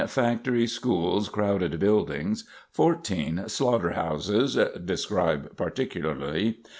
Factories, schools, crowded buildings. 14. Slaughter houses (describe particularly).